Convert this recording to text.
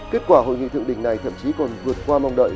kết quả hội nghị thượng đỉnh này thậm chí còn vượt qua mong đợi